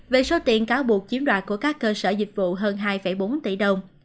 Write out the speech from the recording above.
về số tiền cáo buộc chiếm đoạt của các cơ sở dịch vụ hơn hai bốn tỷ đồng